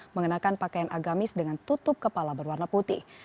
mengenakan pakaian agamis dengan tutup kepala berwarna putih